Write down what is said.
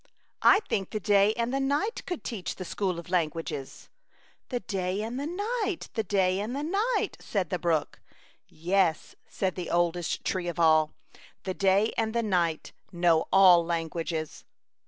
I think the day and the night could teach the School of Languages. *'The day and the night, the day and the night," said the brook. Yes,'' said the oldest tree of all, " the day and the night know all lan guages."